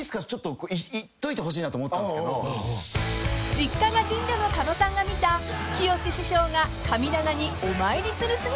［実家が神社の狩野さんが見たきよし師匠が神棚にお参りする姿］